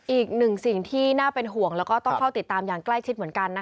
อีกหนึ่งสิ่งที่น่าเป็นห่วงแล้วก็ต้องเฝ้าติดตามอย่างใกล้ชิดเหมือนกัน